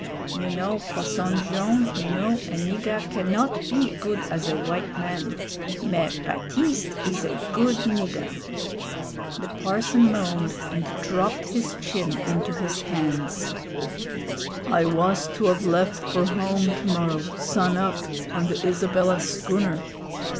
"You know, Posson Jone', you know, a nigger cannot be good as a w'ite man mais Baptiste is a good nigger." The parson moaned and dropped his chin into his hands. "I was to of left for home to morrow, sun up, on the Isabella schooner.